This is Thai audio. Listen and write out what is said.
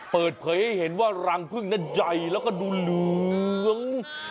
เปิดเผยให้เห็นว่ารังพึ่งนั้นใหญ่แล้วก็ดูเหลือง